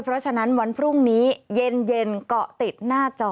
เพราะฉะนั้นวันพรุ่งนี้เย็นเกาะติดหน้าจอ